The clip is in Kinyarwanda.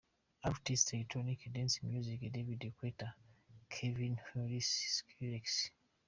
Artist, electronic dance music: David Guetta, Calvin Harris, Skrillex.